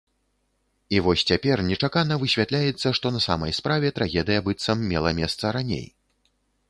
І вось цяпер нечакана высвятляецца, што на самай справе трагедыя, быццам, мела месца раней.